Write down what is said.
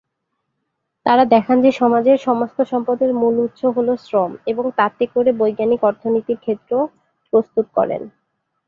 তারা দেখান যে সমাজের সমস্ত সম্পদের মূল উৎস হলও শ্রম এবং তাতে করে বৈজ্ঞানিক অর্থনীতির ক্ষেত্র প্রস্তুত করেন।